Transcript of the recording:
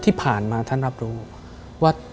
ที่ผ่านมาท่านรับรู้ว่า